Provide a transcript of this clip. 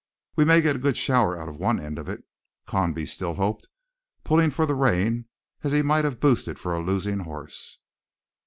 "We may get a good shower out of one end of it," Conboy still hoped, pulling for the rain as he might have boosted for a losing horse.